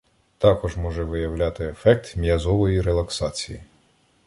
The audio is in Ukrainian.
Також може виявляти ефект м'язової релаксації.